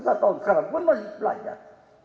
sekarang saya masih belajar